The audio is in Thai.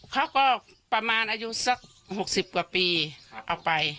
เขาก็ประมาณอายุสัก๖๐กว่าปีเอาไป